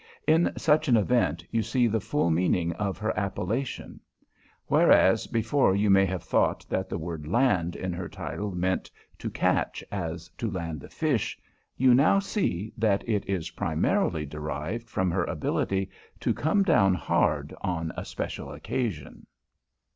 In such an event you see the full meaning of her appellation. Whereas, before you may have thought that the word "land" in her title meant to catch, as to land a fish, you now see that it is primarily derived from her ability to come down hard on a special occasion.